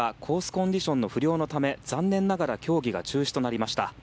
コンディションの不良のため残念ながら競技が中止となりました。